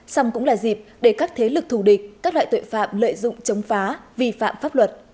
xong cũng là dịp để các thế lực thù địch các loại tội phạm lợi dụng chống phá vi phạm pháp luật